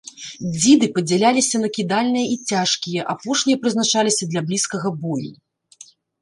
Дзіды падзяляліся на кідальныя і цяжкія, апошнія прызначаліся для блізкага бою.